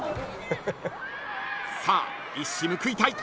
［さあ一矢報いたい］